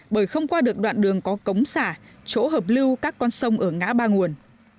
bởi không qua được đoạn đường có cống xả chỗ hợp lưu các con sông ở ngã ba nguồn